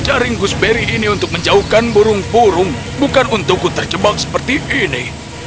jaring gooseberry ini untuk menjauhkan burung burung bukan untuk ku terjebak seperti ini